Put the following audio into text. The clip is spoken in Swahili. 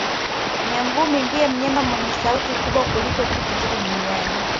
Nyangumi ndiye mnyama mwenye sauti kubwa kuliko kitu chochote duniani